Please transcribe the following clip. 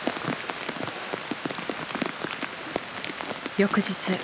翌日。